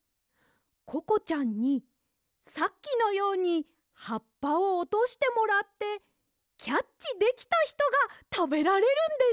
ココちゃんにさっきのようにはっぱをおとしてもらってキャッチできたひとがたべられるんです！